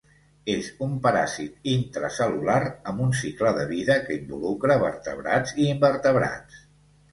És un paràsit intracel·lular amb un cicle de vida que involucra vertebrats i invertebrats.